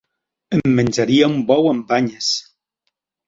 Em menjaria un bou amb banyes.